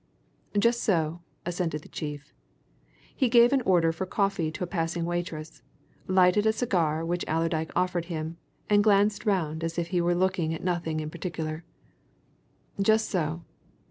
"Just so," assented the chief. He gave an order for coffee to a passing waitress, lighted a cigar which Allerdyke offered him, and glanced round as if he were looking at nothing in particular. "Just so.